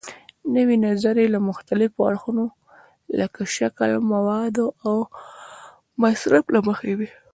نوې نظریې له مختلفو اړخونو لکه شکل، موادو او مصرف له مخې وي.